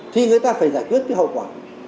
thì người ta phải giải quyết cái hậu quả